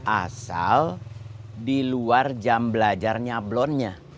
asal diluar jam belajar nyablonnya